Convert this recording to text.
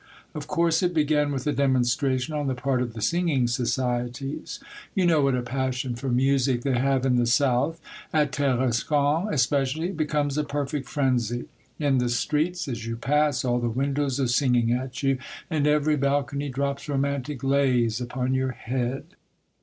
Of course it began with a demonstration on the part of the Singing Socie ties. You know what a passion for music they have in the South. At Tarascon especially it be comes a perfect frenzy. In the streets, as you pass, all the windows are singing at you, and every balcony drops romantic lays upon your head